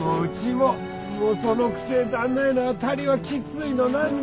もうそのくせ旦那への当たりはきついの何の。